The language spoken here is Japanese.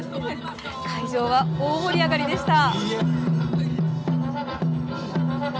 会場は大盛り上がりでした。